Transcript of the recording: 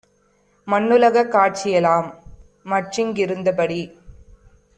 மண்ணுலகக் காட்சிஎலாம் மற்றிங் கிருந்தபடி